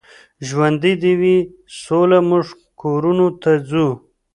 ژوندۍ دې وي سوله، موږ کورونو ته ځو.